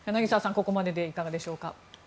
ここまででいかがでしょうか。